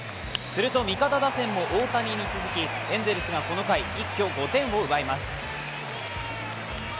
すると、味方打線も大谷に続き、エンゼルスがこの回一挙５点を奪います。